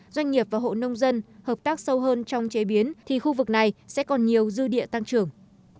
doanh nghiệp và hộ nông dân hợp tác sâu hơn trong chế biến thì khu vực này sẽ còn nhiều dư địa tăng trưởng